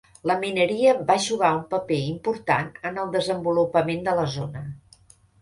La mineria va jugar un paper important en el desenvolupament de la zona.